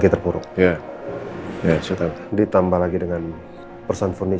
kamu harus bisa berhubung dengan orang lain